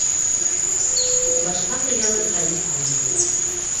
Башҡаса яныр хәлем ҡалманы.